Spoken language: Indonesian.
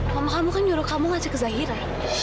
mama kamu kan nyuruh kamu ngasih ke zahiran